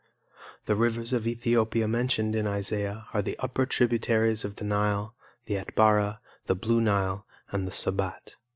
The rivers of Ethiopia mentioned in Isaiah are the upper tributaries of the Nile, the Atbara, the Blue Nile and the Sobat.